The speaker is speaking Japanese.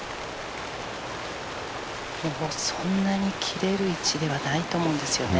そんなに切れる位置ではないと思うんですよね。